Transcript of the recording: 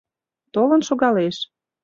Толын шогалеш.